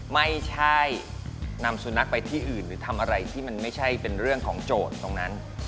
ไม่ใช่นำสุนัขไปที่อื่นหรือทำอะไรที่มันไม่ใช่เป็นเรื่องของโจทย์ตรงนั้น